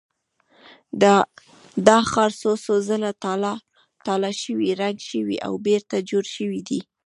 دا ښار څو څو ځله تالا شوی، ړنګ شوی او بېرته جوړ شوی دی.